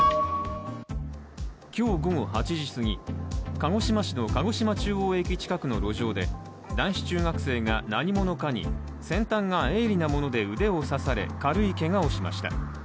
今日午後８時すぎ、鹿児島市の鹿児島中央駅近くの路上で男子中学生が何者かに先端が鋭利なもので腕を刺され、軽いけがをしました。